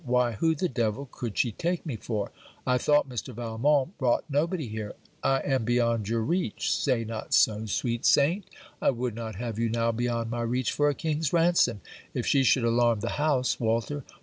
_' Why, who the devil could she take me for? I thought Mr. Valmont brought nobody here! 'I am beyond your reach.' Say not so, sweet saint! I would not have you now beyond my reach for a king's ransom. If she should alarm the house, Walter.